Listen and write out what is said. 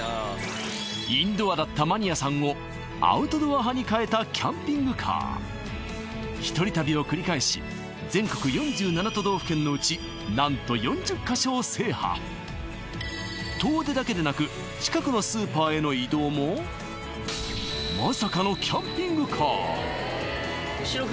インドアだったマニアさんをアウトドア派に変えたキャンピングカー一人旅を繰り返し全国４７都道府県のうち何と遠出だけでなく近くのスーパーへの移動もまさかの後ろ